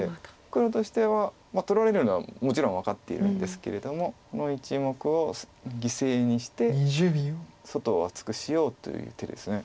黒としては取られるのはもちろん分かっているんですけれどもこの１目を犠牲にして外を厚くしようという手です。